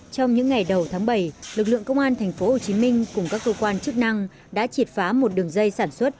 trong những ngày đầu tháng bảy lực lượng công an tp hcm cùng các cơ quan chức năng đã triệt phá một đường dây sản xuất